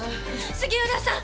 杉浦さん！